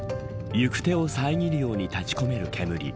行く手を遮るように立ち込める煙